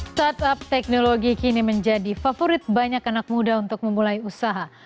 startup teknologi kini menjadi favorit banyak anak muda untuk memulai usaha